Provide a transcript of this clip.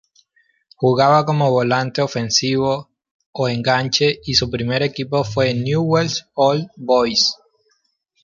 Jugaba como volante ofensivo o enganche y su primer equipo fue Newell's Old Boys.